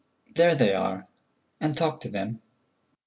There they are, and talk to them."